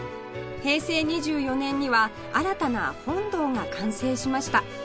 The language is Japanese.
平成２４年には新たな本堂が完成しました